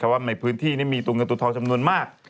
ว่าในพื้นที่นี้มีตัวเงินตัวทองจำนวนมาก